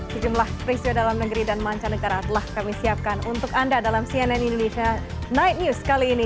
sejumlah peristiwa dalam negeri dan mancanegara telah kami siapkan untuk anda dalam cnn indonesia night news kali ini